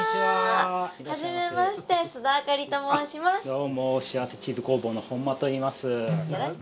どうもしあわせチーズ工房の本間と言います。